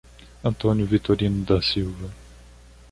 Antônio Vitorino da Silva